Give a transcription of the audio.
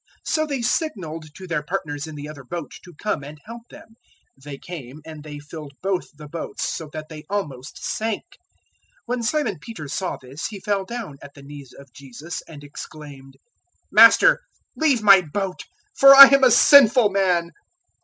005:007 So they signalled to their partners in the other boat to come and help them; they came, and they filled both the boats so that they almost sank. 005:008 When Simon Peter saw this, he fell down at the knees of Jesus, and exclaimed, "Master, leave my boat, for I am a sinful man."